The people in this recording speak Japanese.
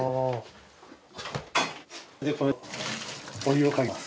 これをお湯をかけます。